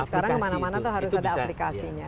sekarang kemana mana tuh harus ada aplikasinya